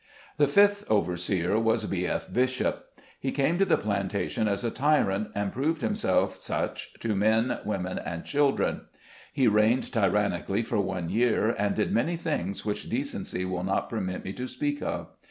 The fifth overseer was B. F. Bishop. He came to the plantation as a tyrant, and proved himself such to men, women and children. He reigned tyrannically for one year, and did many things which decency will not permit me to speak of.